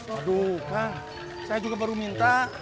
aduh saya juga baru minta